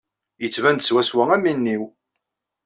Yettban-d swaswa am win-iw.